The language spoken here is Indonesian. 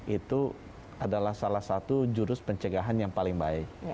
itu adalah salah satu jurus pencegahan yang paling baik